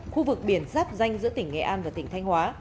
khu vực biển giáp danh giữa tỉnh nghệ an và tỉnh thanh hóa